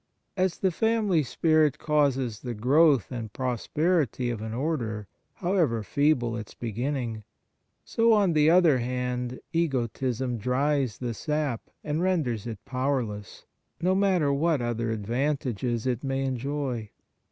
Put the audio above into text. As the family spirit causes the growth and prosperity of an order, however feeble its beginning, so, on the other hand, egotism dries the sap and renders it powerless, no matter what other advantages it may enjoy.